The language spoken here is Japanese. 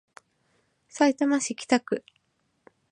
さいたま市北区